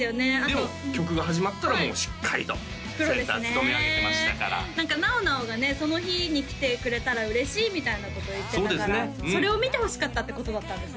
でも曲が始まったらしっかりとセンター務め上げてましたから何かなおなおがねその日に来てくれたら嬉しいみたいなことを言ってたからそれを見てほしかったってことだったんですね